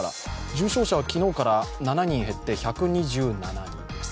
重症者は昨日から７人減って１２７人です。